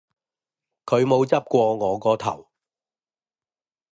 佢冇執過我個頭